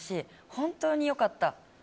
本当によかった。